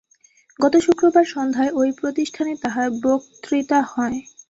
গত শুক্রবার সন্ধ্যায় ঐ প্রতিষ্ঠানে তাঁহার বক্তৃতা হয়।